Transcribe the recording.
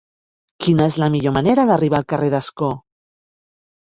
Quina és la millor manera d'arribar al carrer d'Ascó?